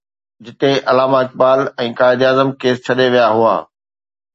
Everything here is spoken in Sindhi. جتي علامه اقبال ۽ قائداعظم کيس ڇڏي ويا هئا.